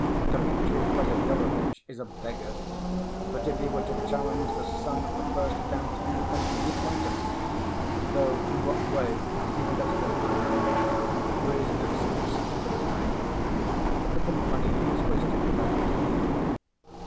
Dmitri Fyodorovitch is a beggar, but if he were to challenge the son of the first count in the country, he'd fight him. Though in what way is he better than I am? For he is ever so much stupider than I am. Look at the money he has wasted without any need!"